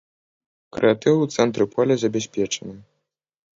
Крэатыў у цэнтры поля забяспечаны.